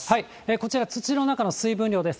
こちら、土の中の水分量です。